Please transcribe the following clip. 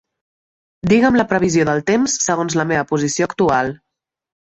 Diga'm la previsió del temps segons la meva posició actual.